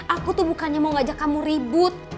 aku tuh bukannya mau ngajak kamu ribut